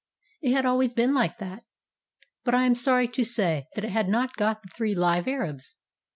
It had always been like that. But I am sorry to say that it had not got the three live Arabs.